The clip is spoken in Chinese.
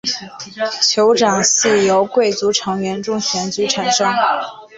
酋长系由贵族成员中选举产生。